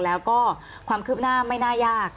แล้วก็ความคืบหน้าไม่น่ายาก